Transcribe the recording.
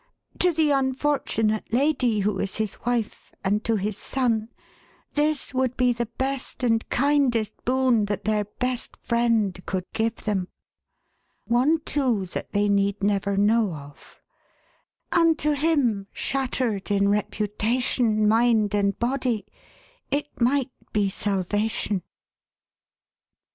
To the unfortunate lady who is his wife, and to his son, this would be the best and kindest boon that their best friend could give them — one too that they need never know of; and to him, shattered in reputation, mind, and body, it might be salvation."